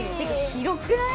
広くない？